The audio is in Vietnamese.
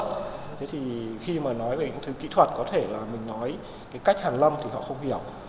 thế thì khi mà nói về những thứ kỹ thuật có thể là mình nói cái cách hàn lâm thì họ không hiểu